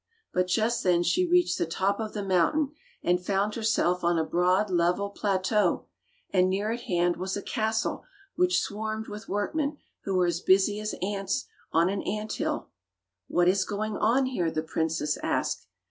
But just then she reached the top of the moun tain and found herself on a broad, level pla teau, and near at hand was a castle which swarmed with workmen who were as busy as ants on an ant hill. "What is going on here.^" the princess asked.